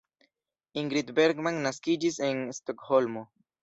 Ingrid Bergman naskiĝis en Stokholmo.